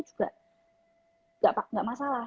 juga enggak masalah